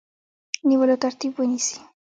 نیولو ترتیب ونیسي.